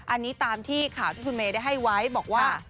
อันนี้ตามที่ข่าวที่คุณเมย์ได้ให้ไว้บอกว่า